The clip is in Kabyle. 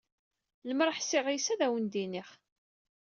Limer ḥṣiƔ yes, ad awen-d-iniƔ.